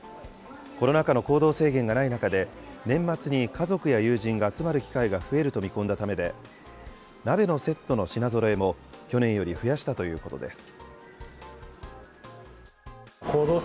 コロナ禍の行動制限がない中で、年末に家族や友人が集まる機会が増えると見込んだためで、鍋のセットの品ぞろえも、去年より増やしたということです。